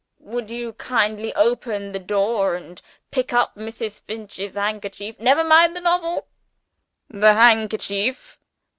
Would you kindly open the door, and pick up Mrs. Finch's handkerchief? Never mind the novel the handkerchief."